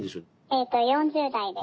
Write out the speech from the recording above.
えと４０代です。